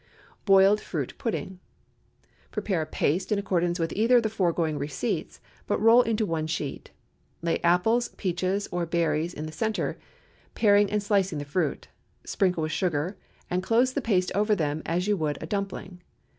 BOILED FRUIT PUDDING. Prepare a paste in accordance with either of the foregoing receipts, but roll into one sheet. Lay apples, peaches, or berries in the centre, paring and slicing the fruit; sprinkle with sugar, and close the paste over them as you would a dumpling.